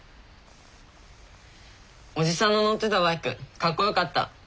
おじさんの乗ってたバイクかっこよかった。